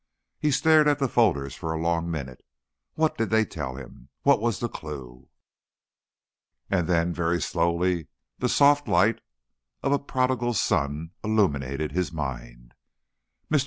He stared at the folders for a long minute. What did they tell him? What was the clue? And then, very slowly, the soft light of a prodigal sun illuminated his mind. "Mr.